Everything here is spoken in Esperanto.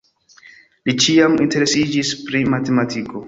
Li ĉiam interesiĝis pri matematiko.